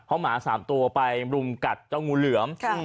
เพราะหมา๓ตัวไปรุมกัดเจ้างูเหลือม